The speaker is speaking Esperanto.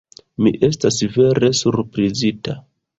Mi estas vere surprizita!